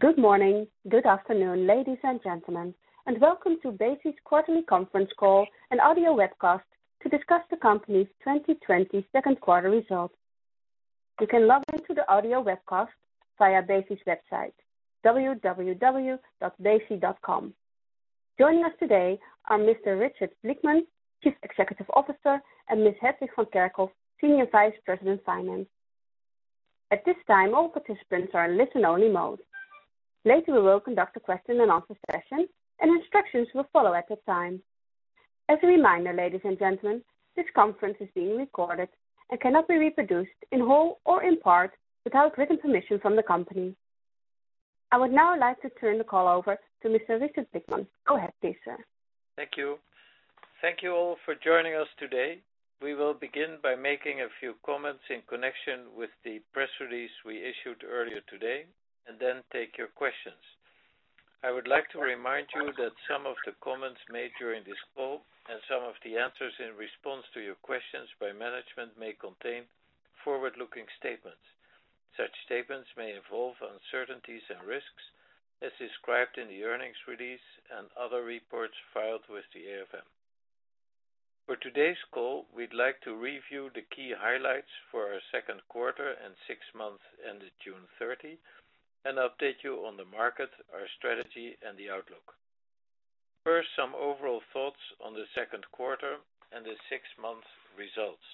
Good morning, good afternoon, ladies and gentlemen, and welcome to Besi's quarterly conference call and audio webcast to discuss the company's 2020 second quarter results. You can log into the audio webcast via Besi's website, www.besi.com. Joining us today are Mr. Richard Blickman, Chief Executive Officer, and Ms. Hetwig van Kerkhof, Senior Vice President Finance. At this time, all participants are in listen-only mode. Later, we will conduct a question-and-answer session, and instructions will follow at that time. As a reminder, ladies and gentlemen, this conference is being recorded and cannot be reproduced in whole or in part without written permission from the company. I would now like to turn the call over to Mr. Richard Blickman. Go ahead, please, sir. Thank you. Thank you all for joining us today. We will begin by making a few comments in connection with the press release we issued earlier today, and then take your questions. I would like to remind you that some of the comments made during this call and some of the answers in response to your questions by management may contain forward-looking statements. Such statements may involve uncertainties and risks as described in the earnings release and other reports filed with the AFM. For today's call, we'd like to review the key highlights for our second quarter and six months ended June 30 and update you on the market, our strategy, and the outlook. First, some overall thoughts on the second quarter and the six-month results.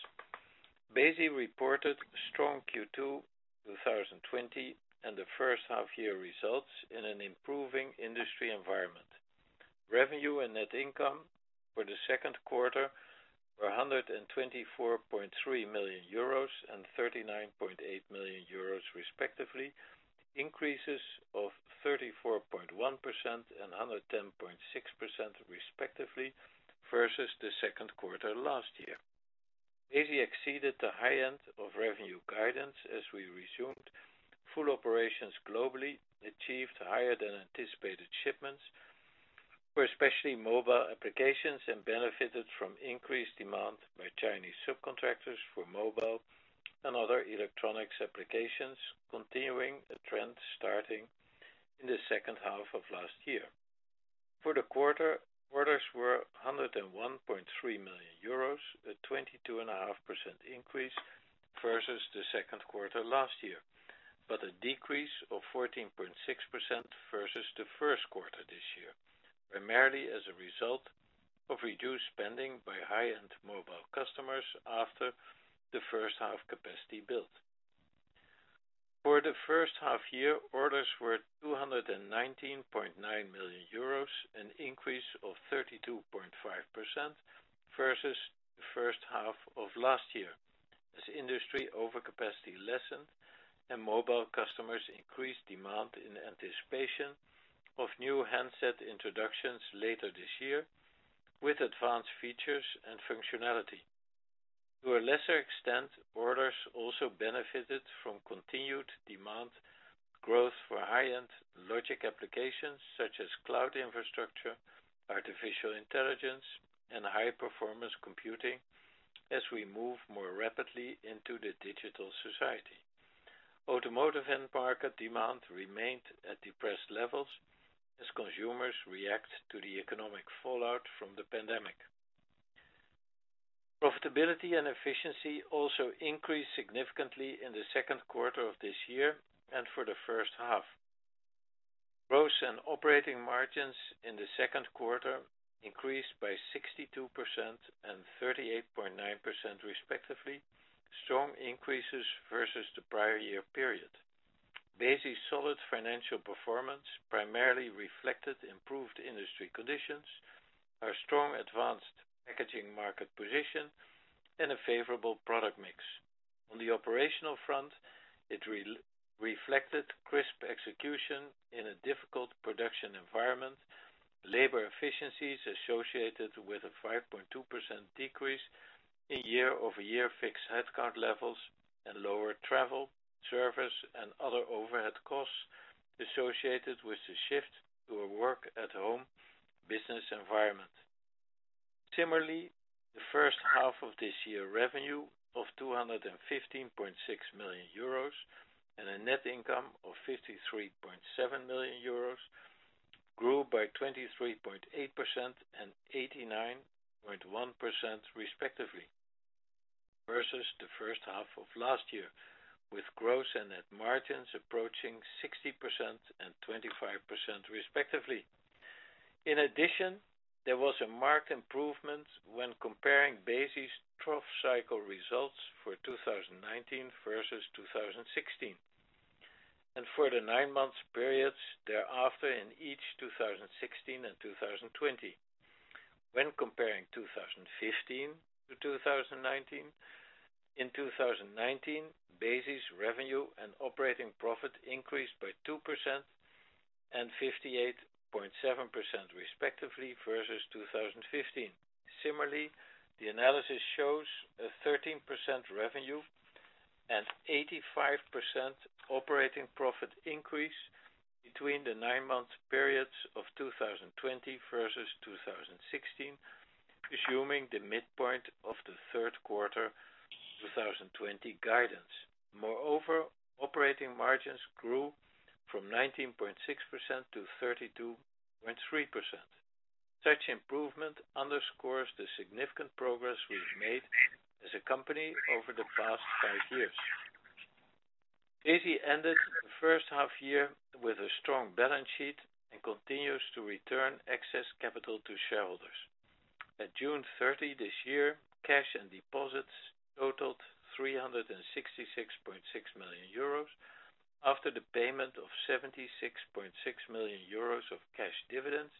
Besi reported strong Q2 2020 and the first half-year results in an improving industry environment. Revenue and net income for the second quarter were 124.3 million euros and 39.8 million euros respectively, increases of 34.1% and 110.6% respectively, versus the second quarter last year. Besi exceeded the high end of revenue guidance as we resumed full operations globally, achieved higher than anticipated shipments for especially mobile applications, and benefited from increased demand by Chinese subcontractors for mobile and other electronics applications, continuing a trend starting in the second half of last year. For the quarter, orders were 101.3 million euros, a 22.5% increase versus the second quarter last year, but a decrease of 14.6% versus the first quarter this year, primarily as a result of reduced spending by high-end mobile customers after the first half capacity build. For the first half year, orders were 219.9 million euros, an increase of 32.5% versus the first half of last year, as industry overcapacity lessened and mobile customers increased demand in anticipation of new handset introductions later this year with advanced features and functionality. To a lesser extent, orders also benefited from continued demand growth for high-end logic applications such as cloud infrastructure, artificial intelligence, and high-performance computing as we move more rapidly into the digital society. Automotive end market demand remained at depressed levels as consumers react to the economic fallout from the pandemic. Profitability and efficiency also increased significantly in the second quarter of this year and for the first half. Gross and operating margins in the second quarter increased by 62% and 38.9% respectively, strong increases versus the prior year period. Besi's solid financial performance primarily reflected improved industry conditions, our strong advanced packaging market position, and a favorable product mix. On the operational front, it reflected crisp execution in a difficult production environment, labor efficiencies associated with a 5.2% decrease in year-over-year fixed headcount levels, and lower travel, service, and other overhead costs associated with the shift to a work-at-home business environment. Similarly, the first half of this year, revenue of 215.6 million euros and a net income of 53.7 million euros grew by 23.8% and 89.1% respectively versus the first half of last year, with gross and net margins approaching 60% and 25% respectively. In addition, there was a marked improvement when comparing Besi's trough cycle results for 2019 versus 2016 and for the nine-month periods thereafter in each 2016 and 2020. When comparing 2015 to 2019, in 2019, Besi's revenue and operating profit increased by 2% and 58.7% respectively versus 2015. Similarly, the analysis shows a 13% revenue and 85% operating profit increase between the nine-month periods of 2020 versus 2016. Assuming the midpoint of the third quarter 2020 guidance. Moreover, operating margins grew from 19.6%-32.3%. Such improvement underscores the significant progress we've made as a company over the past five years. Besi ended the first half year with a strong balance sheet and continues to return excess capital to shareholders. At June 30 this year, cash and deposits totaled 366.6 million euros after the payment of 76.6 million euros of cash dividends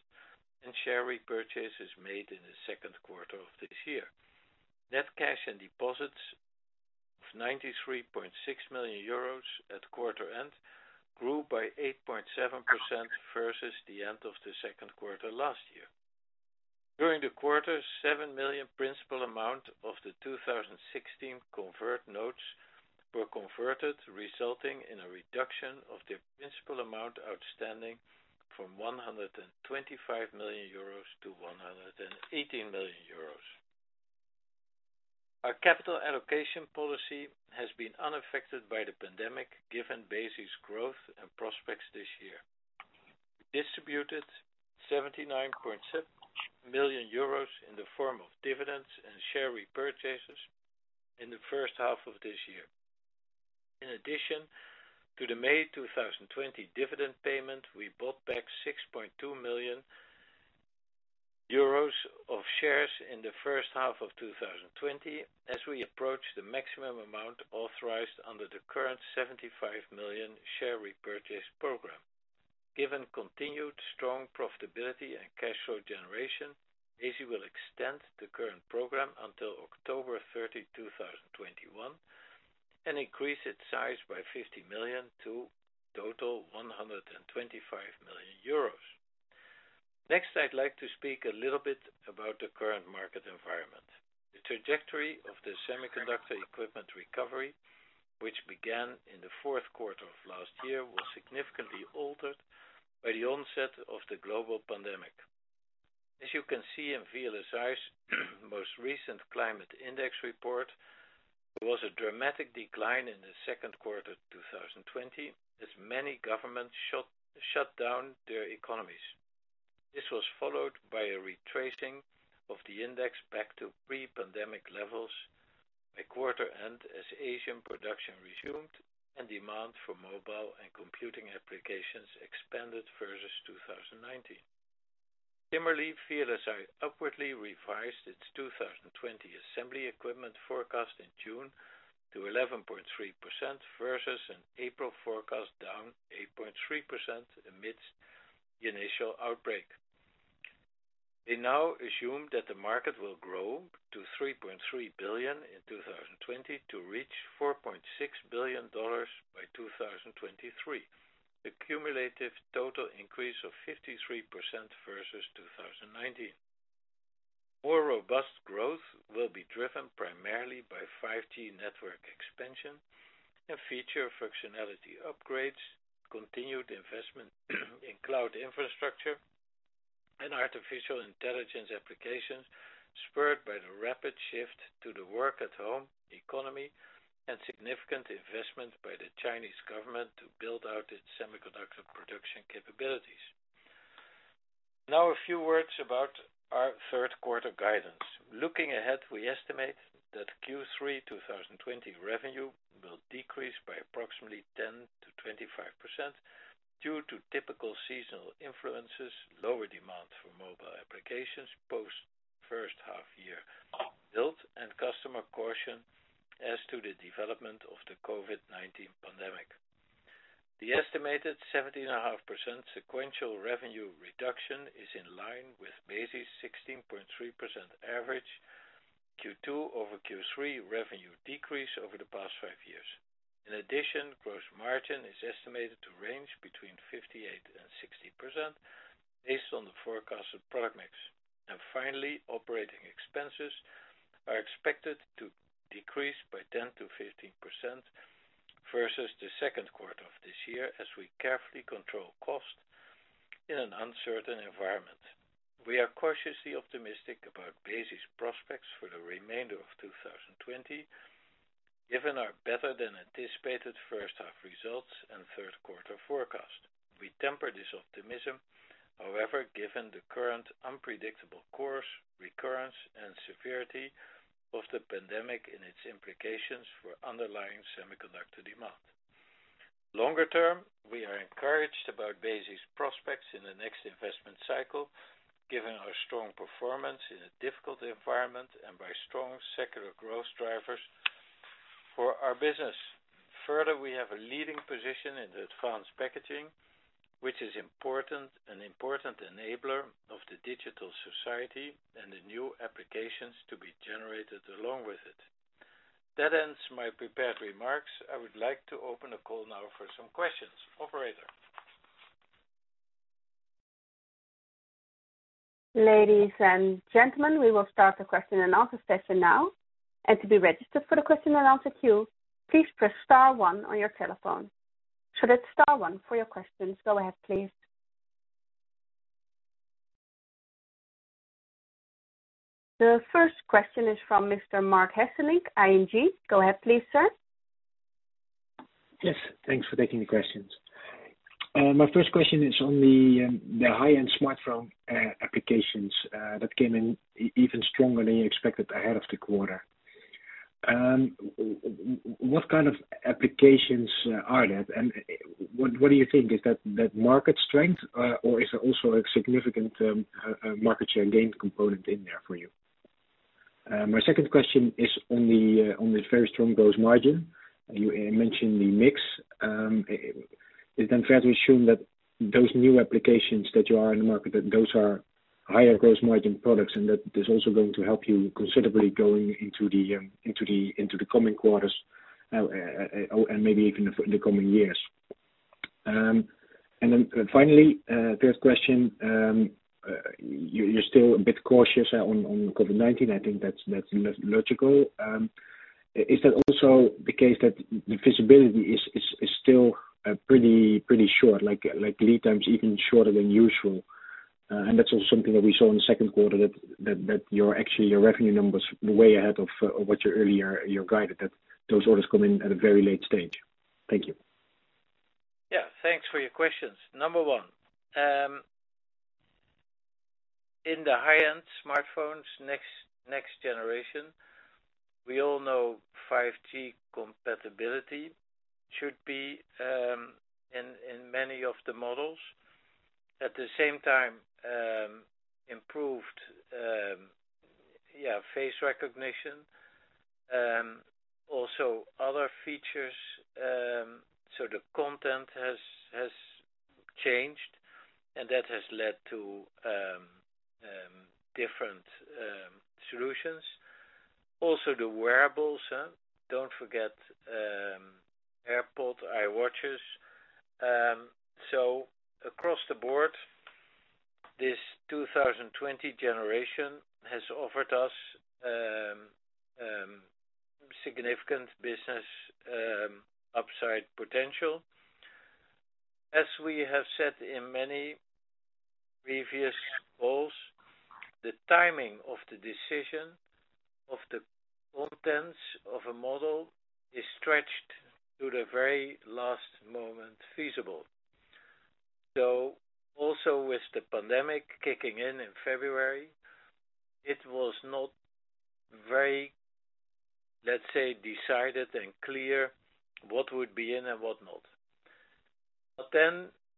and share repurchases made in the second quarter of this year. Net cash and deposits of 93.6 million euros at quarter end grew by 8.7% versus the end of the second quarter last year. During the quarter, 7 million principal amount of the 2016 convert notes were converted, resulting in a reduction of the principal amount outstanding from 125 million-118 million euros. Our capital allocation policy has been unaffected by the pandemic, given Besi's growth and prospects this year. We distributed 79.7 million euros in the form of dividends and share repurchases in the first half of this year. In addition to the May 2020 dividend payment, we bought back 6.2 million euros of shares in the first half of 2020, as we approach the maximum amount authorized under the current 75 million share repurchase program. Given continued strong profitability and cash flow generation, Besi will extend the current program until October 30, 2021, and increase its size by 50 million to a total 125 million euros. I'd like to speak a little bit about the current market environment. The trajectory of the semiconductor equipment recovery, which began in the fourth quarter of last year, was significantly altered by the onset of the global pandemic. As you can see in VLSI's most recent Climate Index report, there was a dramatic decline in the second quarter of 2020 as many governments shut down their economies. This was followed by a retracing of the index back to pre-pandemic levels by quarter end as Asian production resumed and demand for mobile and computing applications expanded versus 2019. Similarly, VLSI upwardly revised its 2020 assembly equipment forecast in June to 11.3% versus an April forecast down 8.3% amidst the initial outbreak. They now assume that the market will grow to 3.3 billion in 2020 to reach EUR 4.6 billion by 2023, a cumulative total increase of 53% versus 2019. More robust growth will be driven primarily by 5G network expansion and feature functionality upgrades, continued investment in cloud infrastructure, and artificial intelligence applications spurred by the rapid shift to the work-at-home economy, and significant investment by the Chinese government to build out its semiconductor production capabilities. Now a few words about our third quarter guidance. Looking ahead, we estimate that Q3 2020 revenue will decrease by approximately 10%-25% due to typical seasonal influences, lower demand for mobile applications post first half year build, and customer caution as to the development of the COVID-19 pandemic. The estimated 17.5% sequential revenue reduction is in line with Besi's 16.3% average Q2 over Q3 revenue decrease over the past five years. In addition, gross margin is estimated to range between 58% and 60% based on the forecasted product mix. Finally, operating expenses are expected to decrease by 10%-15% versus the second quarter of this year, as we carefully control cost in an uncertain environment. We are cautiously optimistic about Besi's prospects for the remainder of 2020, given our better-than-anticipated first-half results and third-quarter forecast. We temper this optimism, however, given the current unpredictable course, recurrence, and severity of the pandemic and its implications for underlying semiconductor demand. Longer term, we are encouraged about Besi's prospects in the next investment cycle, given our strong performance in a difficult environment and by strong secular growth drivers for our business. Further, we have a leading position in advanced packaging, which is an important enabler of the digital society and the new applications to be generated along with it. That ends my prepared remarks. I would like to open the call now for some questions. Operator? Ladies and gentlemen, we will start the question-and-answer session now. To be registered for the question-and-answer queue, please press star one on your telephone. That's star one for your questions. Go ahead, please. The first question is from Mr. Marc Hesselink, ING. Go ahead please, sir. Yes, thanks for taking the questions. My first question is on the high-end smartphone applications that came in even stronger than you expected ahead of the quarter. What kind of applications are that? What do you think, is that market strength or is there also a significant market share gain component in there for you? My second question is on the very strong gross margin. You mentioned the mix. Is it then fair to assume that those new applications that you are in the market, that those are higher gross margin products, and that is also going to help you considerably going into the coming quarters, and maybe even the coming years? Finally, third question. You're still a bit cautious on COVID-19. I think that's logical. Is that also the case that the visibility is still pretty short, like lead times even shorter than usual? That's also something that we saw in the second quarter, that your revenue numbers were way ahead of what you earlier guided, that those orders come in at a very late stage. Thank you. Yeah, thanks for your questions. Number one, in the high-end smartphones, next generation, we all know 5G compatibility should be in many of the models. At the same time, improved face recognition, also other features. The content has changed, and that has led to different solutions. Also, the wearables, don't forget AirPods, Apple Watches. Across the board, this 2020 generation has offered us significant business upside potential. As we have said in many previous calls, the timing of the decision of the contents of a model is stretched to the very last moment feasible. Also, with the pandemic kicking in in February, it was not very, let's say, decided and clear what would be in and what not.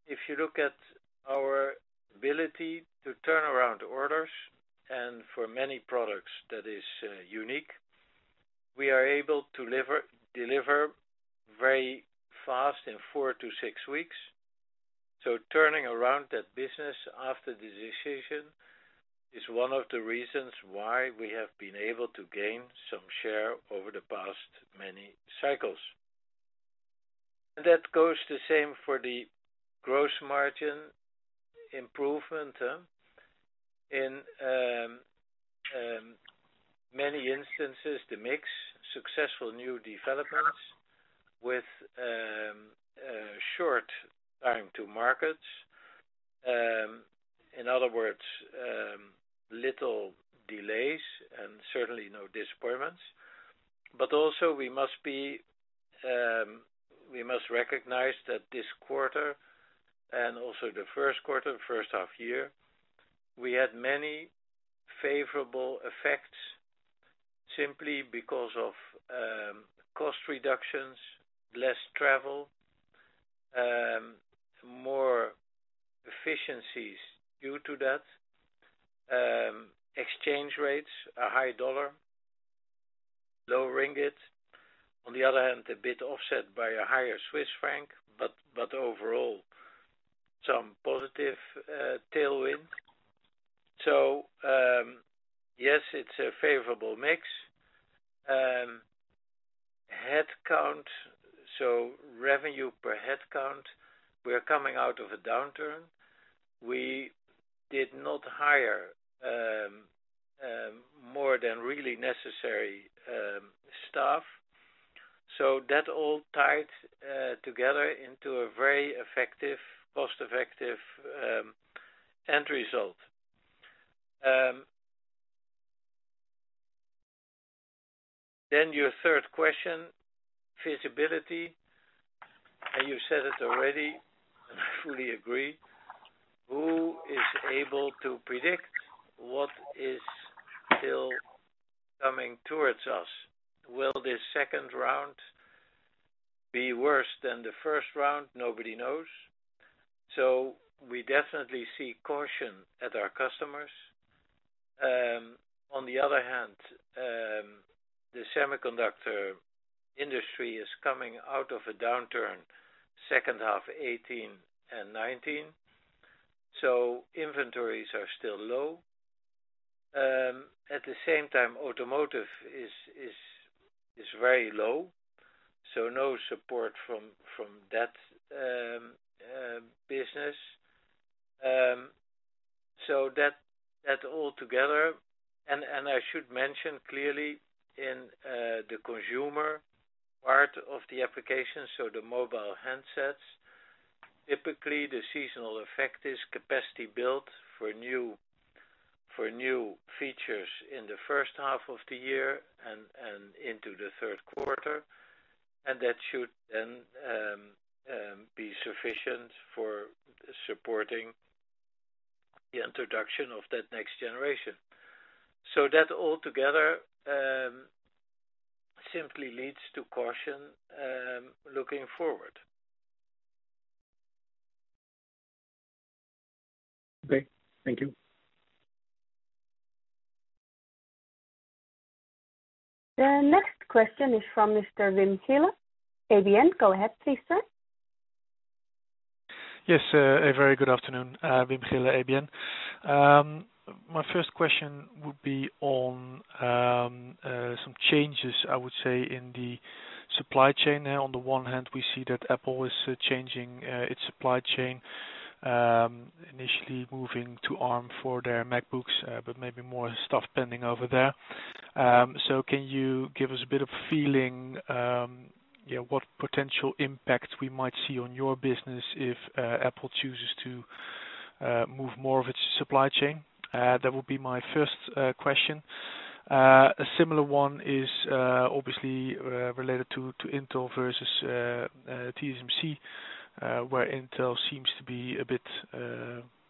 If you look at our ability to turn around orders, and for many products, that is unique, we are able to deliver very fast in four to six weeks. Turning around that business after the decision is one of the reasons why we have been able to gain some share over the past many cycles. That goes the same for the gross margin improvement. In many instances, the mix, successful new developments with short time to markets. In other words, little delays and certainly no disappointments. Also, we must recognize that this quarter and also the first quarter, first half year, we had many favorable effects simply because of cost reductions, less travel, more efficiencies due to that. Exchange rates, a high dollar, low ringgit. On the other hand, a bit offset by a higher Swiss Franc, but overall, some positive tailwind. Yes, it's a favorable mix. Headcount, revenue per headcount, we're coming out of a downturn. We did not hire more than really necessary staff. That all tied together into a very cost-effective end result. Your third question, feasibility, and you said it already, and I fully agree. Who is able to predict what is still coming towards us? Will this second round be worse than the first round? Nobody knows. We definitely see caution at our customers. On the other hand, the semiconductor industry is coming out of a downturn second half 2018 and 2019, so inventories are still low. At the same time, automotive is very low, so no support from that. All together, and I should mention clearly in the consumer part of the application, so the mobile handsets, typically the seasonal effect is capacity built for new features in the first half of the year and into the third quarter. That should then be sufficient for supporting the introduction of that next generation. That altogether simply leads to caution looking forward. Okay. Thank you. The next question is from Mr. Wim Gille, ABN. Go ahead, please, sir. Yes, a very good afternoon. Wim Gille, ABN. My first question would be on some changes, I would say, in the supply chain. On the one hand, we see that Apple is changing its supply chain, initially moving to Arm for their MacBooks, but maybe more stuff pending over there. Can you give us a bit of a feeling, what potential impact we might see on your business if Apple chooses to move more of its supply chain? That would be my first question. A similar one is, obviously, related to Intel versus TSMC, where Intel seems to be a bit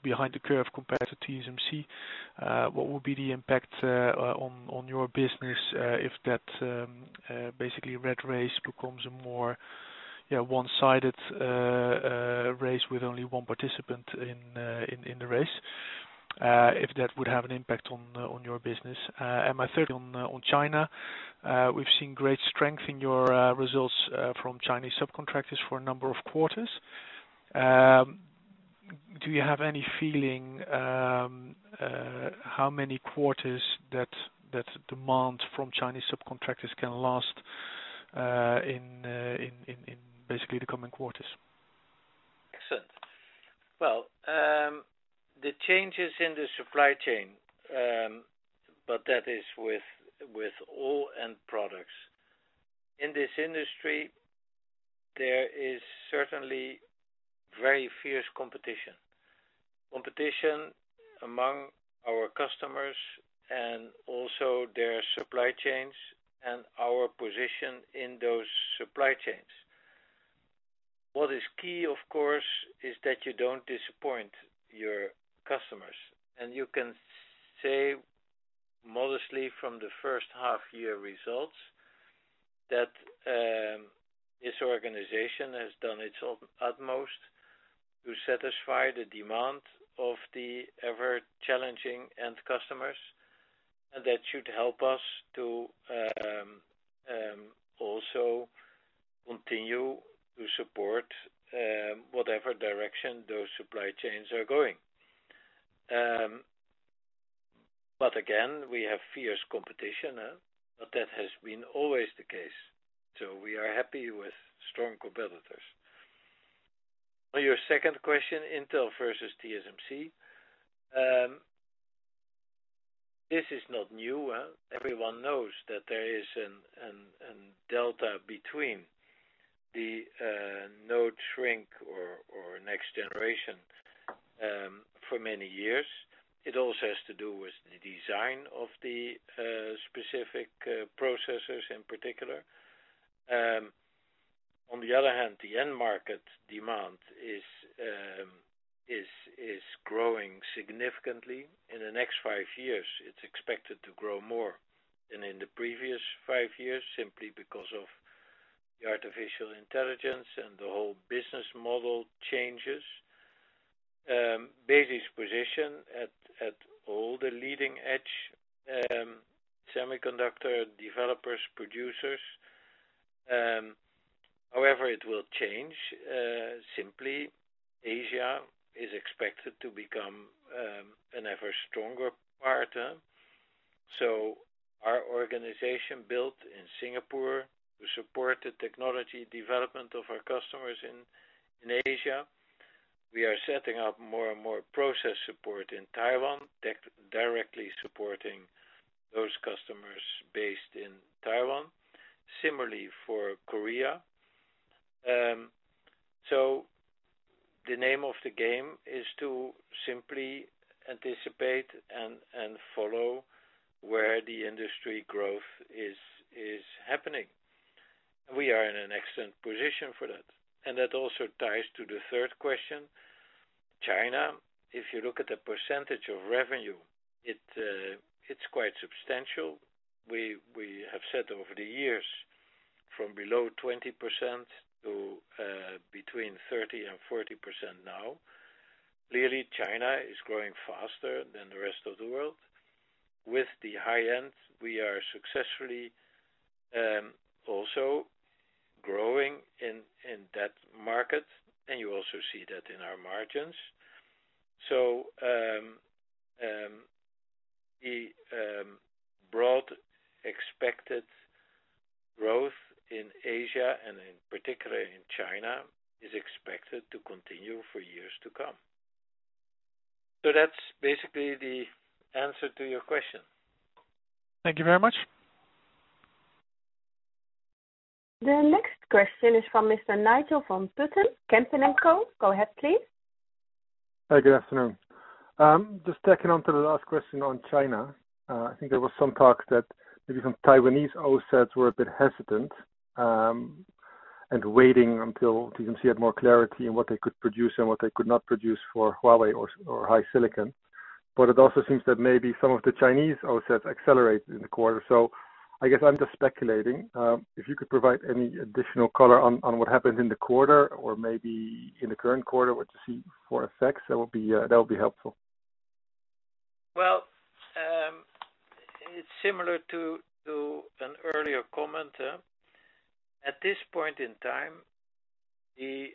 behind the curve compared to TSMC. What would be the impact on your business if that basically rat race becomes a more one-sided race with only one participant in the race, if that would have an impact on your business? My third on China. We've seen great strength in your results from Chinese subcontractors for a number of quarters. Do you have any feeling how many quarters that demand from Chinese subcontractors can last in, basically, the coming quarters? Excellent. Well, the changes in the supply chain, that is with all end products. In this industry, there is certainly very fierce competition. Competition among our customers and also their supply chains and our position in those supply chains. What is key, of course, is that you don't disappoint your customers. You can say modestly from the first half year results that this organization has done its utmost to satisfy the demand of the ever-challenging end customers. That should help us to also continue to support whatever direction those supply chains are going. Again, we have fierce competition. That has been always the case. We are happy with strong competitors. On your second question, Intel versus TSMC. This is not new. Everyone knows that there is a delta between the node shrink or next generation for many years. It also has to do with the design of the specific processors in particular. On the other hand, the end market demand is growing significantly. In the next five years, it's expected to grow more than in the previous five years, simply because of the artificial intelligence and the whole business model changes. Besi's position at all the leading-edge semiconductor developers, producers. However, it will change. Simply, Asia is expected to become an ever-stronger partner. Our organization built in Singapore to support the technology development of our customers in Asia. We are setting up more and more process support in Taiwan, directly supporting those customers based in Taiwan. Similarly for Korea. The name of the game is to simply anticipate and follow where the industry growth is happening. We are in an excellent position for that. That also ties to the third question. China, if you look at the percentage of revenue, it's quite substantial. We have said over the years, from below 20% to between 30% and 40% now. Clearly, China is growing faster than the rest of the world. With the high end, we are successfully also growing in that market, and you also see that in our margins. Expected growth in Asia, and in particular in China, is expected to continue for years to come. That's basically the answer to your question. Thank you very much. The next question is from Mr. Nigel van Putten, Kempen & Co. Go ahead, please. Hi, good afternoon. Just tacking on to the last question on China. I think there was some talk that maybe some Taiwanese OSATs were a bit hesitant and waiting until they can see more clarity on what they could produce and what they could not produce for Huawei or HiSilicon. It also seems that maybe some of the Chinese OSATs accelerated in the quarter. I guess I'm just speculating. If you could provide any additional color on what happened in the quarter or maybe in the current quarter, what you see for effects, that would be helpful. Well, it's similar to an earlier comment. At this point in time, the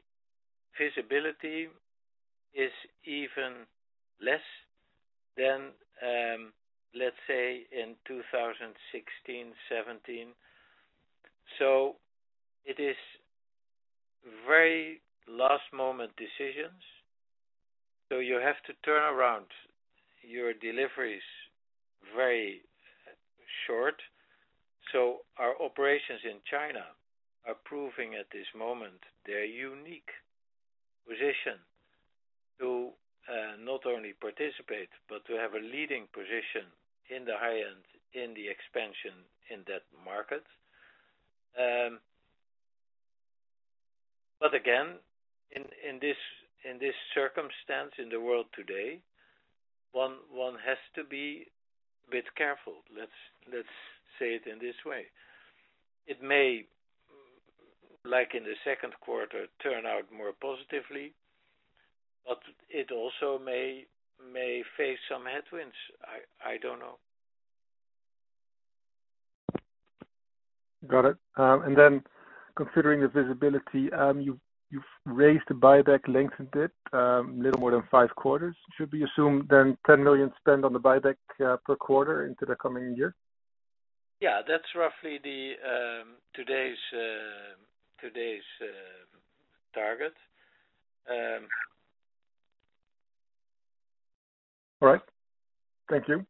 visibility is even less than, let's say, in 2016, 2017. It is very last-moment decisions. You have to turn around your deliveries very short. Our operations in China are proving at this moment their unique position to not only participate, but to have a leading position in the high-end in the expansion in that market. Again, in this circumstance in the world today, one has to be a bit careful. Let's say it in this way. It may, like in the second quarter, turn out more positively, but it also may face some headwinds. I don't know. Got it. Considering the visibility, you've raised the buyback length a bit, little more than five quarters. Should we assume then 10 million spend on the buyback per quarter into the coming year? Yeah, that's roughly today's target. All right. Thank you.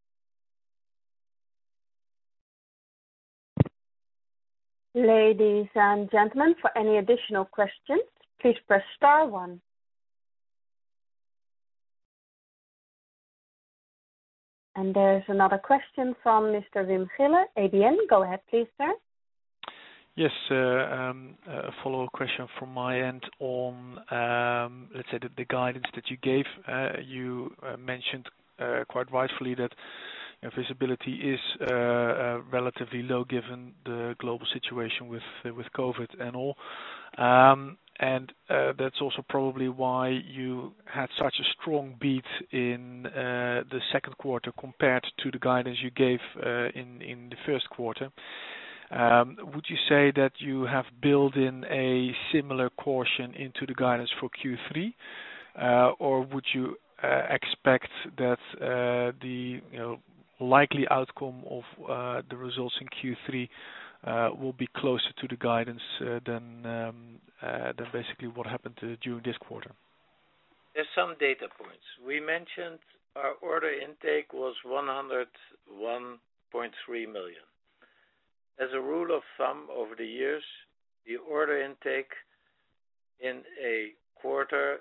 Ladies and gentlemen, for any additional questions, please press star one. There's another question from Mr. Wim Gille, ABN. Go ahead, please, sir. Yes. A follow-up question from my end on, let's say, the guidance that you gave. You mentioned, quite rightfully, that visibility is relatively low given the global situation with COVID-19 and all. That's also probably why you had such a strong beat in the second quarter compared to the guidance you gave in the first quarter. Would you say that you have built in a similar caution into the guidance for Q3? Would you expect that the likely outcome of the results in Q3 will be closer to the guidance than basically what happened during this quarter? There's some data points. We mentioned our order intake was 101.3 million. As a rule of thumb over the years, the order intake in a quarter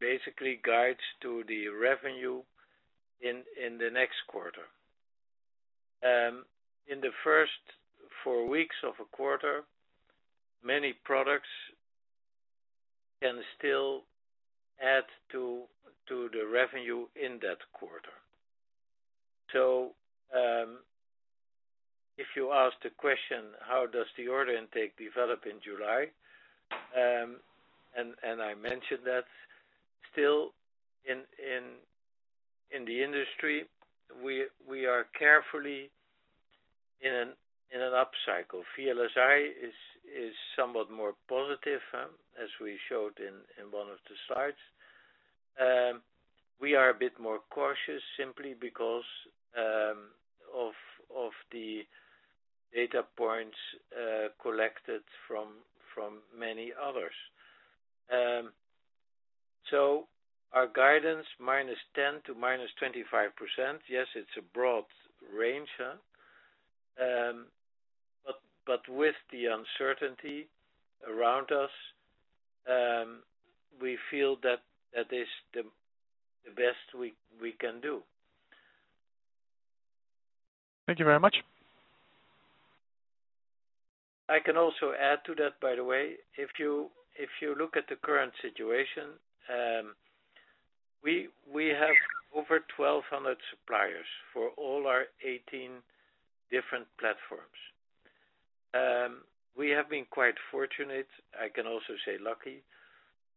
basically guides to the revenue in the next quarter. In the first four weeks of a quarter, many products can still add to the revenue in that quarter. If you ask the question, how does the order intake develop in July, and I mentioned that still in the industry, we are carefully in an upcycle. VLSI is somewhat more positive, as we showed in one of the slides. We are a bit more cautious simply because of the data points collected from many others. Our guidance, -10% to -25%, yes, it's a broad range. With the uncertainty around us, we feel that is the best we can do. Thank you very much. I can also add to that, by the way, if you look at the current situation, we have over 1,200 suppliers for all our 18 different platforms. We have been quite fortunate, I can also say lucky,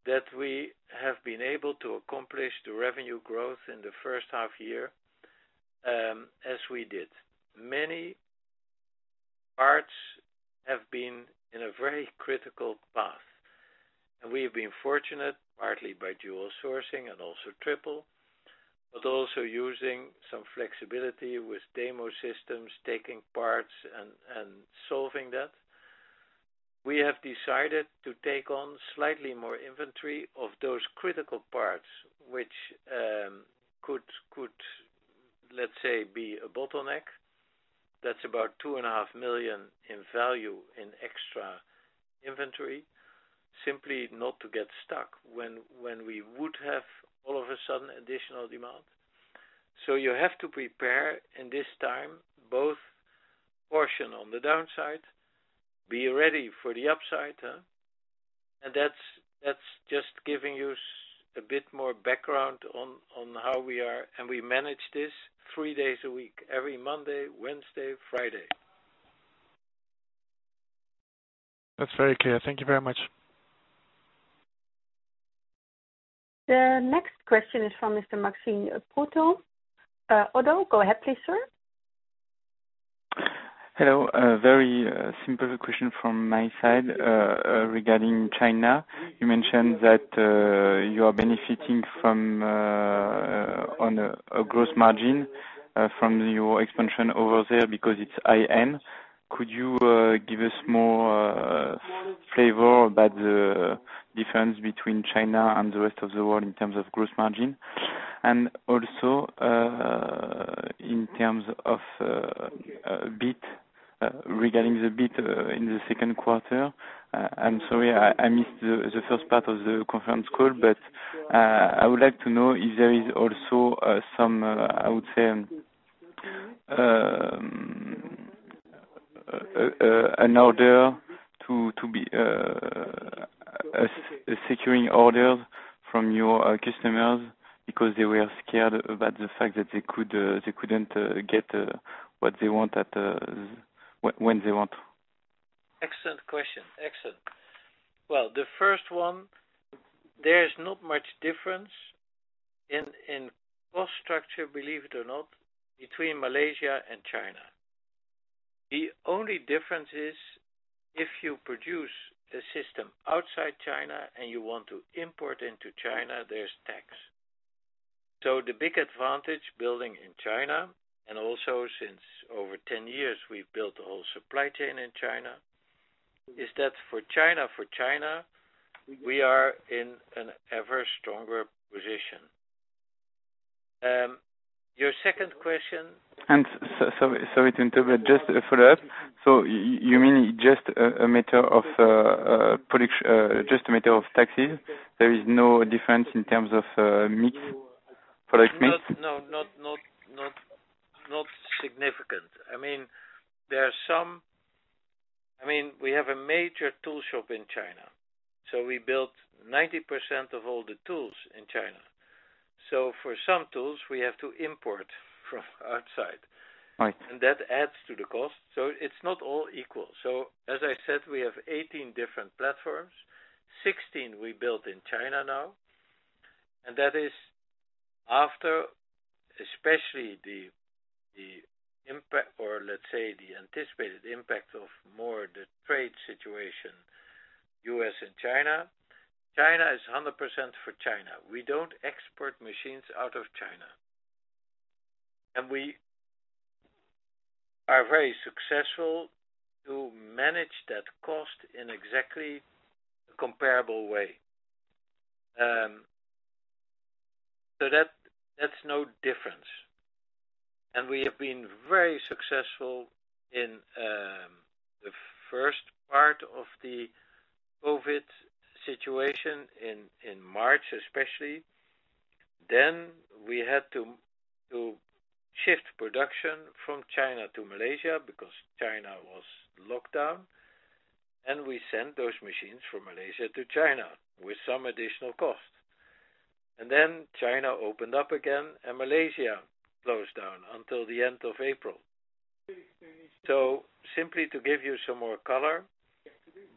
that we have been able to accomplish the revenue growth in the first half year as we did. Many have been in a very critical path, and we have been fortunate, partly by dual sourcing and also triple, but also using some flexibility with demo systems, taking parts and solving that. We have decided to take on slightly more inventory of those critical parts which could, let's say, be a bottleneck. That's about 2.5 million in value in extra inventory, simply not to get stuck when we would have all of a sudden additional demand. You have to prepare in this time, both position on the downside, be ready for the upside. That's just giving you a bit more background on how we are, and we manage this three days a week, every Monday, Wednesday, Friday. That's very clear. Thank you very much. The next question is from Mr. Maxime Dupuis. ODDO, go ahead please, sir. Hello. A very simple question from my side regarding China. You mentioned that you are benefiting on a gross margin from your expansion over there because it's high-end. Could you give us more flavor about the difference between China and the rest of the world in terms of gross margin? Also, in terms of regarding the EBIT in the second quarter. I'm sorry, I missed the first part of the conference call, I would like to know if there is also some, I would say, securing orders from your customers because they were scared about the fact that they couldn't get what they want when they want. Excellent question. Excellent. Well, the first one, there is not much difference in cost structure, believe it or not, between Malaysia and China. The only difference is if you produce a system outside China and you want to import into China, there is tax. The big advantage building in China, and also since over 10 years we have built a whole supply chain in China, is that for China, we are in an ever-stronger position. Your second question. Sorry to interrupt. Just a follow-up. You mean just a matter of taxes? There is no difference in terms of product mix? No, not significant. We have a major tool shop in China, so we build 90% of all the tools in China. For some tools, we have to import from outside. Right. That adds to the cost. It's not all equal. As I said, we have 18 different platforms, 16 we build in China now. That is after, especially the impact or, let's say, the anticipated impact of more the trade situation, U.S. and China. China is 100% for China. We don't export machines out of China. We are very successful to manage that cost in exactly comparable way. That's no difference. We have been very successful in the first part of the COVID-19 situation in March, especially. We had to shift production from China to Malaysia because China was locked down, and we sent those machines from Malaysia to China with some additional cost. China opened up again, and Malaysia closed down until the end of April. Simply to give you some more color,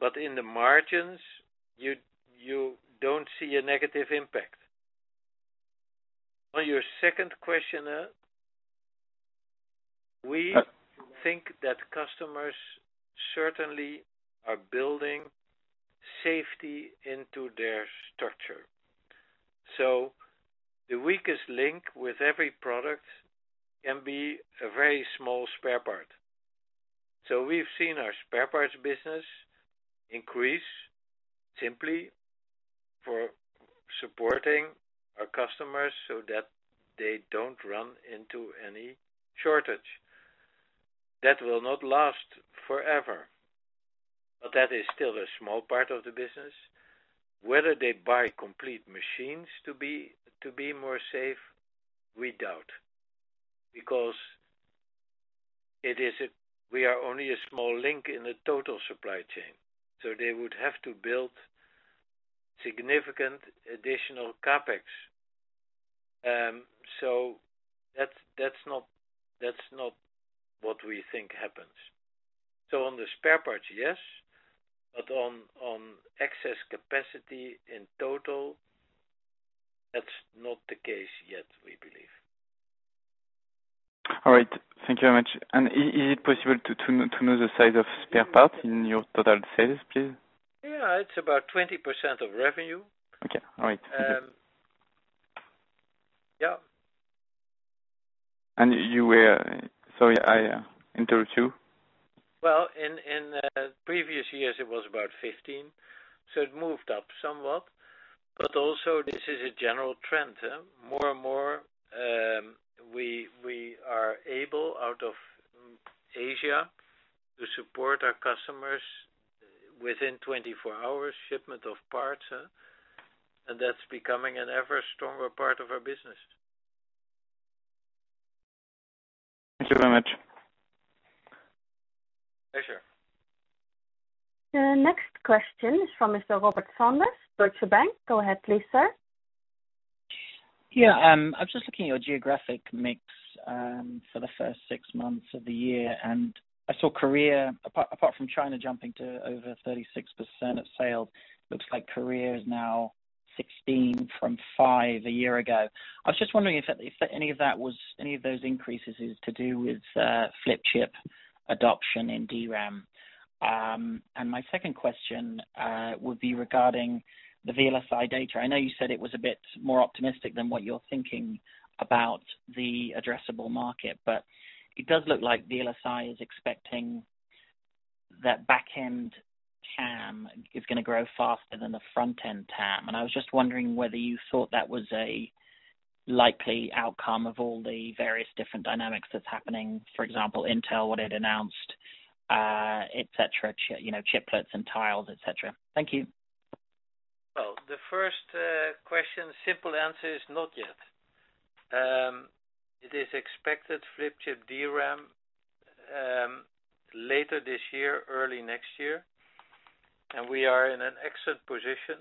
but in the margins, you don't see a negative impact. On your second question, we think that customers certainly are building safety into their structure. The weakest link with every product can be a very small spare part. We've seen our spare parts business increase simply for supporting our customers so that they don't run into any shortage. That will not last forever, but that is still a small part of the business. Whether they buy complete machines to be more safe, we doubt. We are only a small link in the total supply chain, so they would have to build significant additional CapEx. That's not what we think happens. On the spare parts, yes. On excess capacity in total, that's not the case yet, we believe. All right. Thank you very much. Is it possible to know the size of spare parts in your total sales, please? Yeah, it's about 20% of revenue. Okay. All right. Good. Yeah. Sorry, I interrupt you. Well, in previous years, it was about 15%, so it moved up somewhat. Also, this is a general trend. More and more, we are able, out of Asia, to support our customers within 24 hours shipment of parts. That's becoming an ever-stronger part of our business. Thank you very much. Pleasure. The next question is from Mr. Robert Sanders, Deutsche Bank. Go ahead, please, sir. Yeah. I am just looking at your geographic mix for the first six months of the year, and I saw Korea, apart from China jumping to over 36% of sales, looks like Korea is now 16% from 5% a year ago. I was just wondering if any of those increases is to do with flip chip adoption in DRAM. My second question would be regarding the VLSI data. I know you said it was a bit more optimistic than what you are thinking about the addressable market, but it does look like VLSI is expecting that back-end TAM is going to grow faster than the front-end TAM. I was just wondering whether you thought that was a likely outcome of all the various different dynamics that is happening, for example, Intel, what it announced, et cetera, chiplets and tiles, et cetera. Thank you. Well, the first question, simple answer is not yet. It is expected flip chip DRAM, later this year, early next year. We are in an excellent position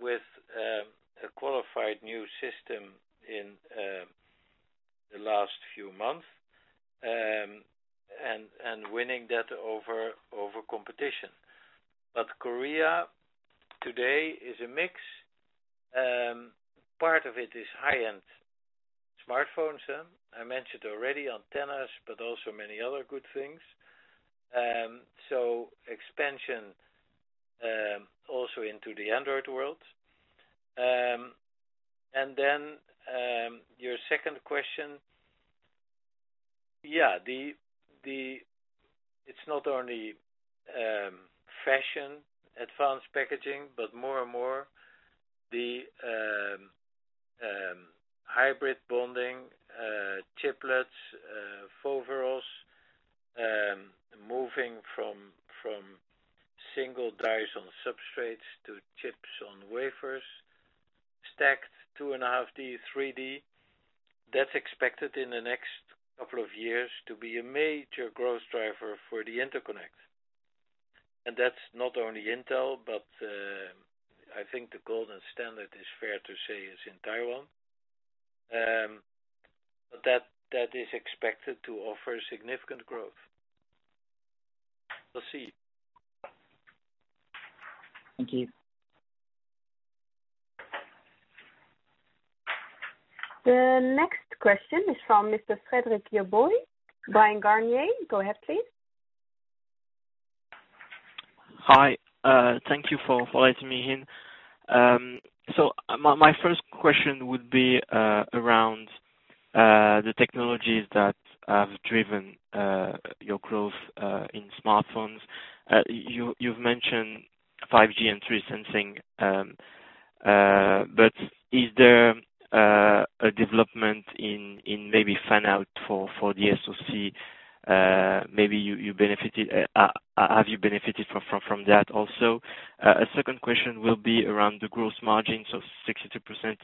with a qualified new system in the last few months, and winning that over competition. Korea today is a mix. Part of it is high-end smartphones. I mentioned already antennas, but also many other good things. Expansion also into the Android world. Your second question. Yeah, it's not only fashion, advanced packaging, but more and more the hybrid bonding, chiplets, fan-outs, moving from single dies on substrates to chips on wafers, stacked 2.5D, 3D. That's expected in the next couple of years to be a major growth driver for the interconnect. That's not only Intel, but I think the golden standard is fair to say is in Taiwan. That is expected to offer significant growth. We'll see. Thank you. The next question is from Mr. Frédéric Yoboué, Bryan, Garnier. Go ahead, please. Hi. Thank you for letting me in. My first question would be around the technologies that have driven your growth in smartphones. You've mentioned 5G and 3D sensing. Is there a development in maybe fan-out for the SoC? Have you benefited from that also? A second question will be around the gross margins of 62%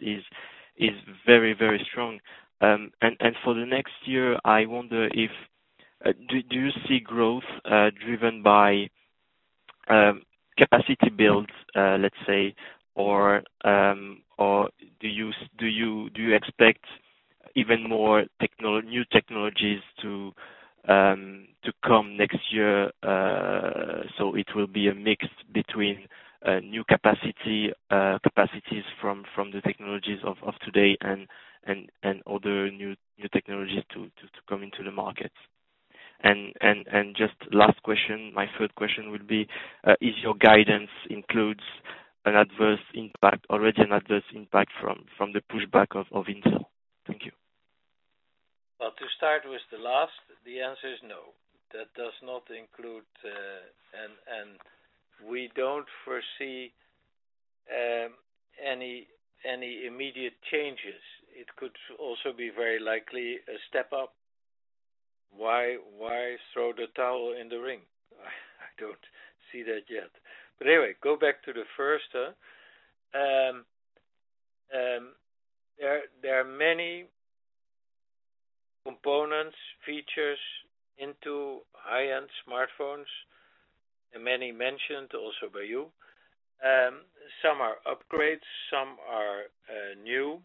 is very strong. For the next year, I wonder, do you see growth driven by capacity builds, let's say, or do you expect even more new technologies to come next year? It will be a mix between new capacities from the technologies of today and other new technologies to come into the market. Just last question, my third question would be, is your guidance includes already an adverse impact from the pushback of Intel? Thank you. Well, to start with the last, the answer is no. That does not include, and we don't foresee any immediate changes. It could also be very likely a step up. Why throw the towel in the ring? I don't see that yet. Anyway, go back to the first. There are many components, features into high-end smartphones. Many mentioned also by you. Some are upgrades, some are new.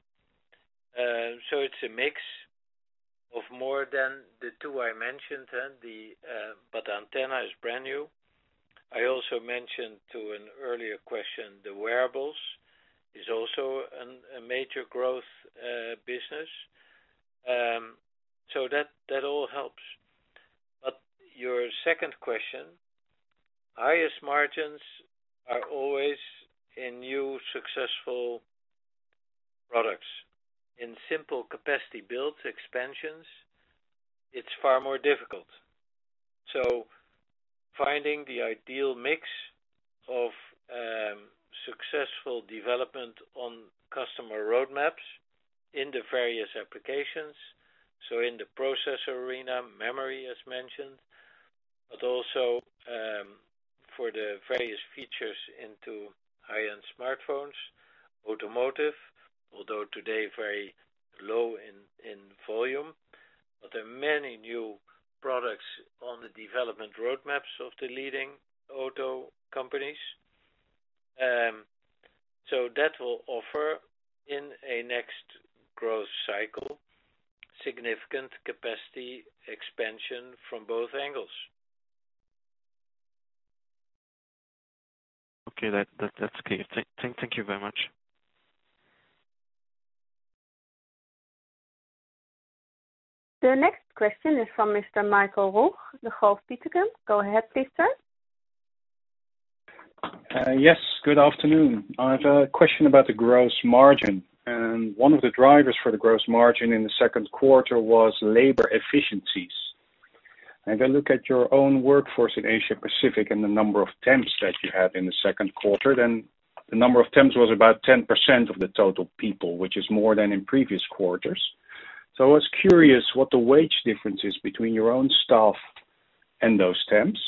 It's a mix of more than the two I mentioned, but antenna is brand new. I also mentioned to an earlier question, the wearables is also a major growth business. That all helps. Your second question, highest margins are always in new successful products. In simple capacity builds, expansions, it's far more difficult. Finding the ideal mix of successful development on customer roadmaps in the various applications, so in the processor arena, memory as mentioned, but also for the various features into high-end smartphones, automotive, although today very low in volume, but there are many new products on the development roadmaps of the leading auto companies. That will offer, in a next growth cycle, significant capacity expansion from both angles. Okay. That's clear. Thank you very much. The next question is from Mr. Michael Roeg, Degroof Petercam. Go ahead, please, sir. Yes, good afternoon. I have a question about the gross margin. One of the drivers for the gross margin in the second quarter was labor efficiencies. If I look at your own workforce in Asia Pacific and the number of temps that you had in the second quarter, then the number of temps was about 10% of the total people, which is more than in previous quarters. I was curious what the wage difference is between your own staff and those temps.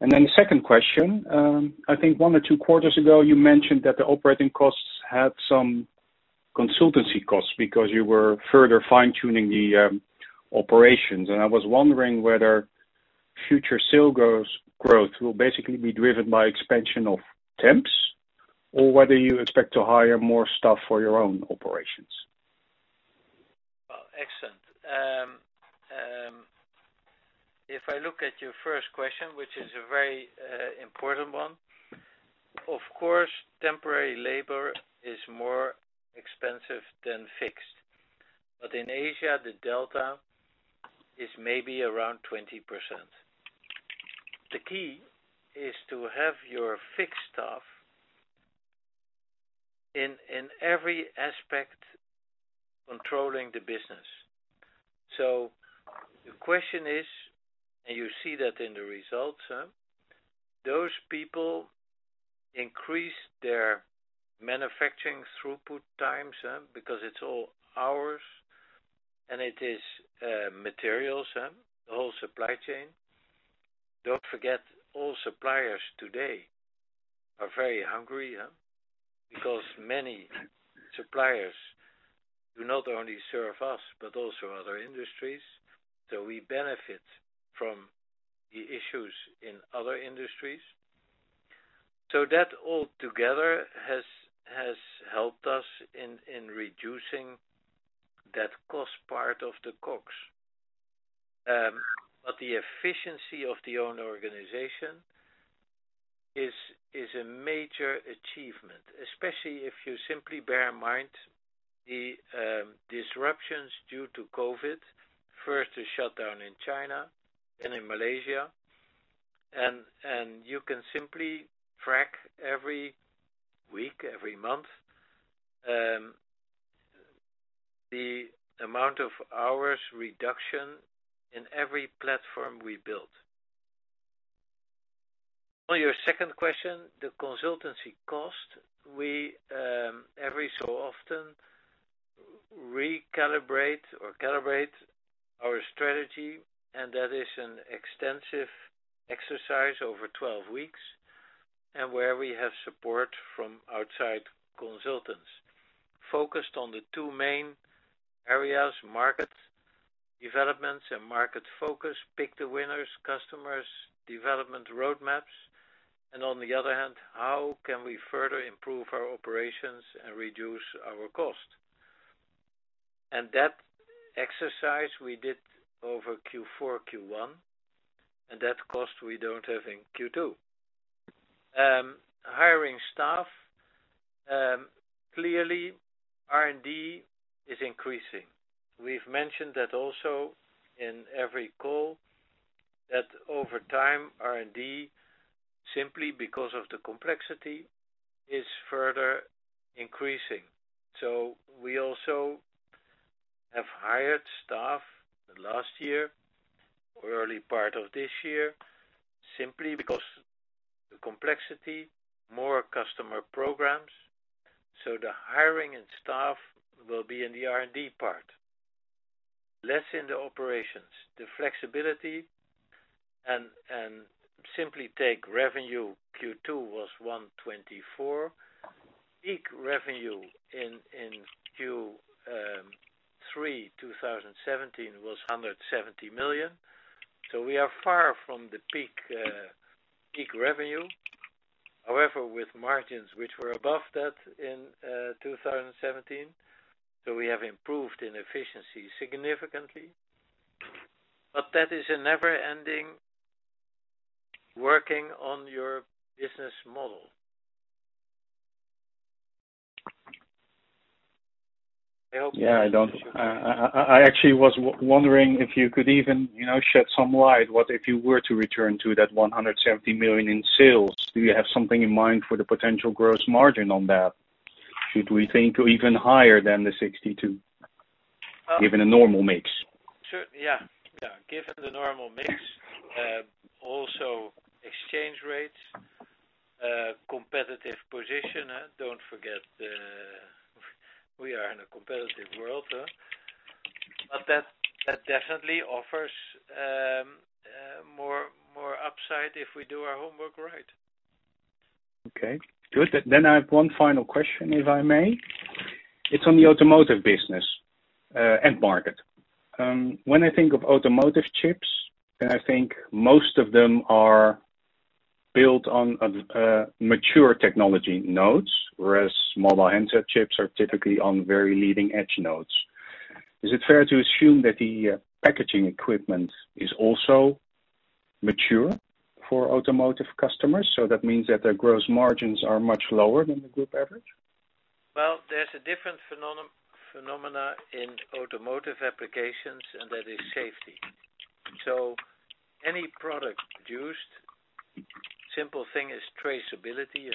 The second question, I think one or two quarters ago, you mentioned that the operating costs had some consultancy costs because you were further fine-tuning the operations, and I was wondering whether future sales growth will basically be driven by expansion of temps or whether you expect to hire more staff for your own operations. Well, excellent. If I look at your first question, which is a very important one, of course, temporary labor is more expensive than fixed. In Asia, the delta is maybe around 20%. The key is to have your fixed staff in every aspect, controlling the business. The question is, and you see that in the results, those people increase their manufacturing throughput times, because it's all hours and it is materials, the whole supply chain. Don't forget, all suppliers today are very hungry, because many suppliers do not only serve us, but also other industries. We benefit from the issues in other industries. That all together has helped us in reducing that cost part of the COGS. The efficiency of the own organization is a major achievement, especially if you simply bear in mind the disruptions due to COVID-19, first the shutdown in China and in Malaysia. You can simply track every week, every month, the amount of hours reduction in every platform we built. On your second question, the consultancy cost, we every so often recalibrate or calibrate our strategy, that is an extensive exercise over 12 weeks, and where we have support from outside consultants, focused on the two main areas, market developments and market focus, pick the winners, customers, development roadmaps, and on the other hand, how can we further improve our operations and reduce our cost. That exercise we did over Q4, Q1, and that cost we don't have in Q2. Hiring staff, clearly, R&D is increasing. We've mentioned that also in every call, that over time, R&D, simply because of the complexity, is further increasing. We also have hired staff last year or early part of this year, simply because the complexity, more customer programs. The hiring and staff will be in the R&D part, less in the operations. The flexibility and simply take revenue, Q2 was 124 million. Peak revenue in Q3 2017 was 170 million. We are far from the peak revenue. However, with margins which were above that in 2017, we have improved in efficiency significantly. That is a never-ending working on your business model. I actually was wondering if you could even shed some light, what if you were to return to that 170 million in sales, do you have something in mind for the potential gross margin on that? Should we think even higher than the 62%, given a normal mix? Yeah. Given the normal mix, also exchange rates, competitive position. Don't forget, we are in a competitive world. That definitely offers more upside if we do our homework right. Okay, good. I have one final question, if I may. It's on the automotive business end market. When I think of automotive chips, then I think most of them are built on mature technology nodes, whereas mobile handset chips are typically on very leading-edge nodes. Is it fair to assume that the packaging equipment is also mature for automotive customers, so that means that their gross margins are much lower than the group average? Well, there's a different phenomena in automotive applications, and that is safety. Any product used, simple thing is traceability.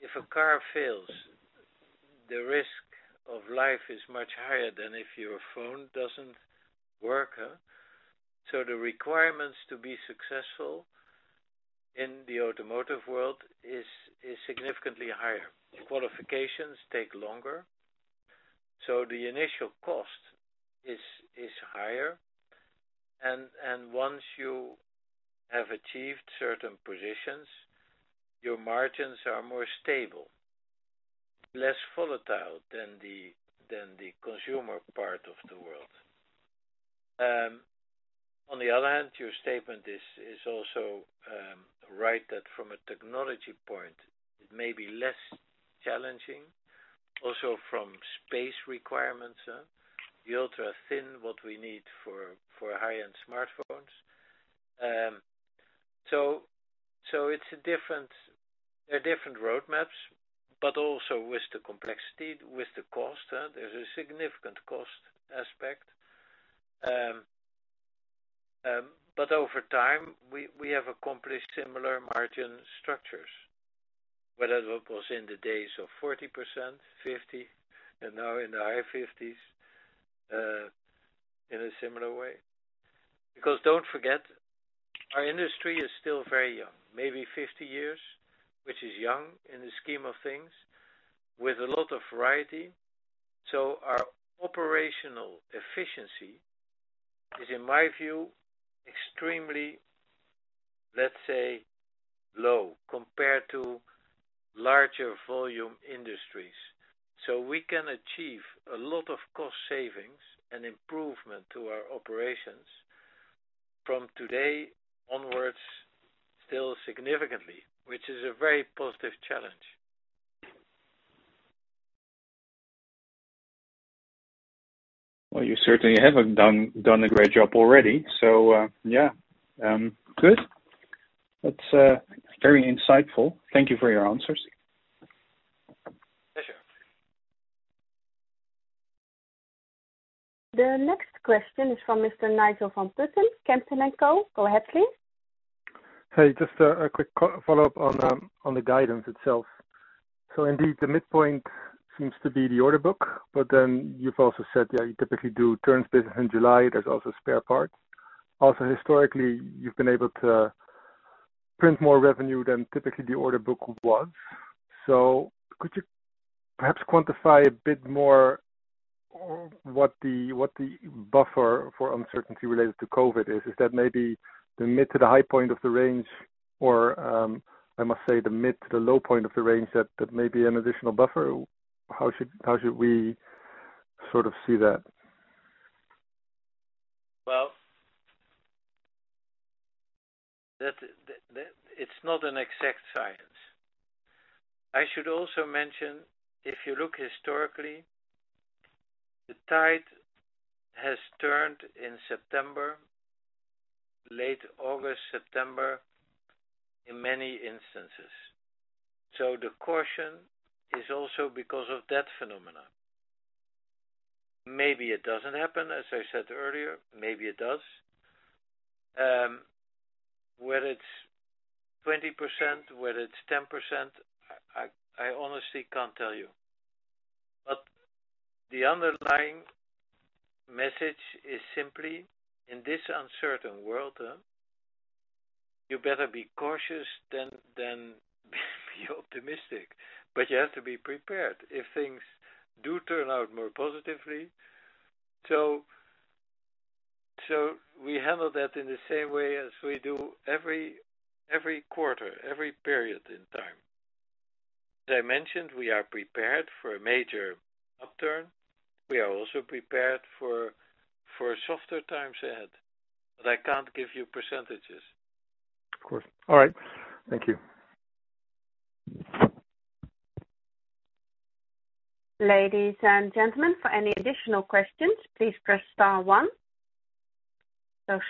If a car fails, the risk of life is much higher than if your phone doesn't work. The requirements to be successful in the automotive world is significantly higher. Qualifications take longer, so the initial cost is higher. Once you have achieved certain positions, your margins are more stable, less volatile than the consumer part of the world. On the other hand, your statement is also right that from a technology point, it may be less challenging, also from space requirements. The ultra-thin, what we need for high-end smartphones. It's different roadmaps, but also with the complexity, with the cost, there's a significant cost aspect. Over time, we have accomplished similar margin structures, whether that was in the days of 40%, 50%, and now in the high 50s%, in a similar way. Don't forget, our industry is still very young, maybe 50 years, which is young in the scheme of things, with a lot of variety. Our operational efficiency is, in my view, extremely, let's say, low compared to larger volume industries. We can achieve a lot of cost savings and improvement to our operations from today onwards, still significantly, which is a very positive challenge. Well, you certainly have done a great job already. Yeah. Good. That's very insightful. Thank you for your answers. Pleasure. The next question is from Mr. Nigel van Putten, Kempen & Co. Go ahead, please. Hey, just a quick follow-up on the guidance itself. Indeed, the midpoint seems to be the order book, but then you've also said that you typically do turns business in July. There's also spare parts. Also, historically, you've been able to print more revenue than typically the order book was. Could you perhaps quantify a bit more what the buffer for uncertainty related to COVID is? Is that maybe the mid to the high point of the range, or, I must say, the mid to the low point of the range, that may be an additional buffer? How should we sort of see that? It's not an exact science. I should also mention, if you look historically, the tide has turned in September, late August, September, in many instances. The caution is also because of that phenomena. Maybe it doesn't happen, as I said earlier, maybe it does. Whether it's 20%, whether it's 10%, I honestly can't tell you. The underlying message is simply in this uncertain world, you better be cautious than be optimistic, but you have to be prepared if things do turn out more positively. We handle that in the same way as we do every quarter, every period in time. As I mentioned, we are prepared for a major upturn. We are also prepared for softer times ahead, but I can't give you percentages. Of course. All right. Thank you. Ladies and gentlemen, for any additional questions, please press star one.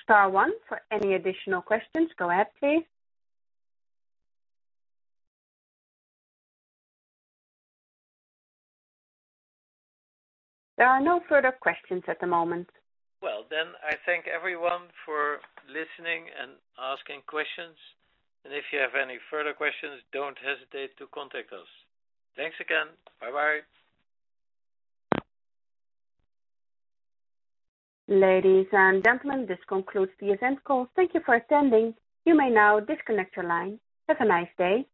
Star one for any additional questions. Go ahead, please. There are no further questions at the moment. I thank everyone for listening and asking questions. If you have any further questions, don't hesitate to contact us. Thanks again. Bye-bye. Ladies and gentlemen, this concludes the event call. Thank you for attending. You may now disconnect your line. Have a nice day.